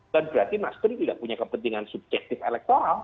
berarti nasdemi tidak punya kepentingan subjektif elektoral